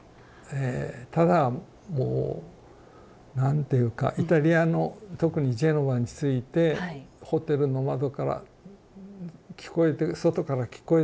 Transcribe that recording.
えただもうなんていうかイタリアの特にジェノバに着いてホテルの窓から外から聞こえてくるね